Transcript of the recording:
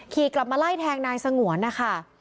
ขี่กลับมาไล่แทงนายสงวนนะคะ